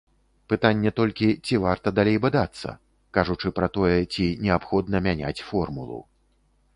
Пытанне толькі, ці варта далей бадацца, кажучы пра тое, ці неабходна мяняць формулу.